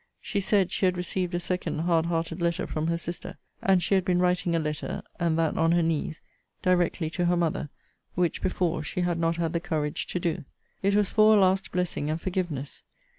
She said, she had received a second hard hearted letter from her sister; and she had been writing a letter (and that on her knees) directly to her mother; which, before, she had not had the courage to do. It was for a last blessing and forgiveness.